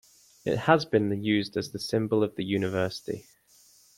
It has been used as a symbol of the university.